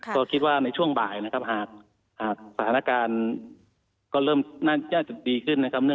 ก็คิดว่าในช่วงบ่ายนะครับหากสถานการณ์ก็เริ่มน่าจะดีขึ้นนะครับ